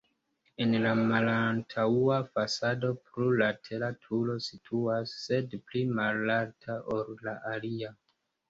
En la malantaŭa fasado plurlatera turo situas, sed pli malalta, ol la alia.